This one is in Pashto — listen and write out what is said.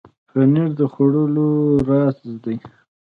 پنېر د خوړو راز دی.